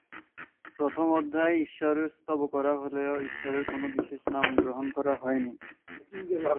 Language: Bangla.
প্রথম অধ্যায়ে ঈশ্বরের স্তব করা হলেও, ঈশ্বরের কোনো বিশেষ নাম গ্রহণ করা হয়নি।